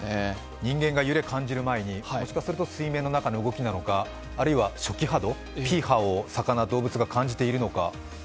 人間が揺れを感じる前に、もしかすると水面下の動きなのかあるいは初期波動、Ｐ波を魚、動物が感じているのか。